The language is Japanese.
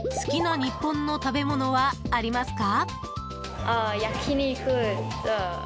好きな日本の食べ物はありますか？